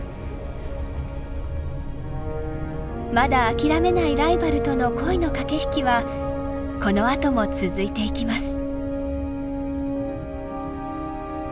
まだ諦めないライバルとの恋の駆け引きはこのあとも続いていきます。